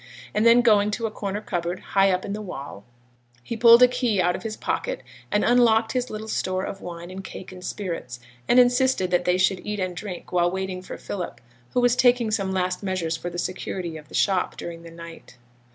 And then going to a corner cupboard, high up in the wall, he pulled a key out of his pocket and unlocked his little store of wine, and cake, and spirits; and insisted that they should eat and drink while waiting for Philip, who was taking some last measures for the security of the shop during the night.